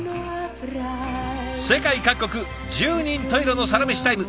世界各国十人十色のサラメシタイム。